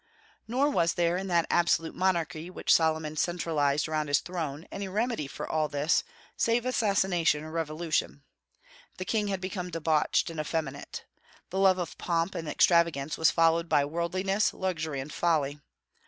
Nor was there, in that absolute monarchy which Solomon centralized around his throne, any remedy for all this, save assassination or revolution. The king had become debauched and effeminate. The love of pomp and extravagance was followed by worldliness, luxury, and folly.